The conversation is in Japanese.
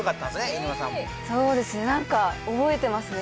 飯沼さんもそうですね何か覚えてますね